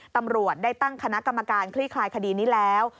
ตำรวจได้ตั้งคณะกรรมการคลี่คลายคดีนี้แล้ว